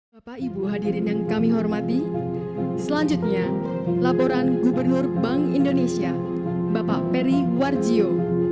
bapak ibu hadirin yang kami hormati selanjutnya laporan gubernur bank indonesia bapak peri warjio